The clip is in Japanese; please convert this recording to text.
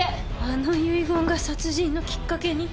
「あの遺言が殺人のきっかけに」